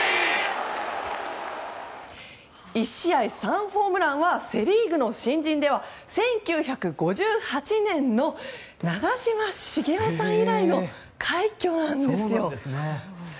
１試合３ホームランはセ・リーグの新人では１９５８年の長嶋茂雄さん以来の快挙なんですよ。